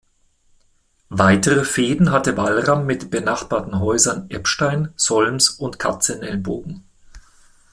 Weitere Fehden hatte Walram mit den benachbarten Häusern Eppstein, Solms und Katzenelnbogen.